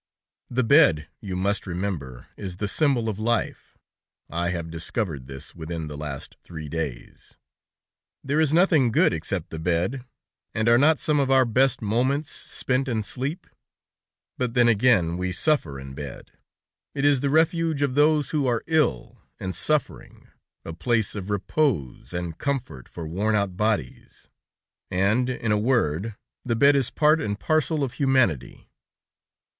"The bed, you must remember, is the symbol of life; I have discovered this within the last three days. There is nothing good except the bed, and are not some of our best moments spent in sleep? "But then again, we suffer in bed! It is the refuge of those who are ill and suffering; a place of repose and comfort for worn out bodies, and, in a word, the bed is part and parcel of humanity.